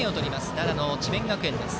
奈良の智弁学園。